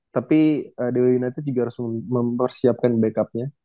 tapi dewa united juga harus mempersiapkan backupnya